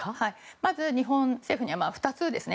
まず日本政府には２つですね。